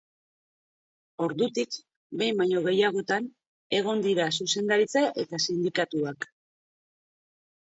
Ordutik, behin baino gehiagotan egon dira zuzendaritza eta sindikatuak.